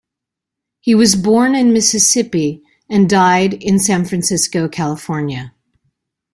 He was born in Mississippi and died in San Francisco, California.